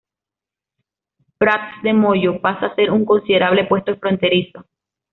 Prats-de-Molló pasa a ser un considerable puesto fronterizo.